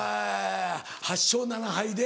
８勝７敗で。